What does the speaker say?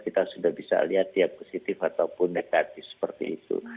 kita sudah bisa lihat dia positif ataupun negatif seperti itu